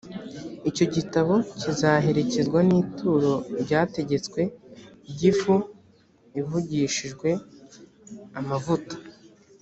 icyo gitambo kizaherekezwe n’ituro ryategetswe ry’ifu ivugishijwe amavuta.